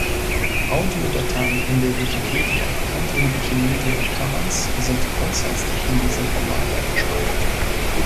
Audiodateien in der Wikipedia und in Wikimedia Commons sind grundsätzlich in diesem Format abgespeichert.